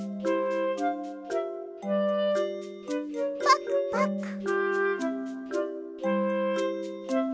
パクパク！